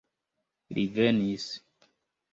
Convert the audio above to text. Li venis.